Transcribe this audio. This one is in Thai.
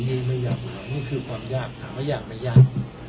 นี่ไม่อยากมานี่คือความยากถามว่ายากไม่ยาก